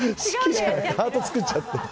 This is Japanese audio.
ハート作っちゃってる。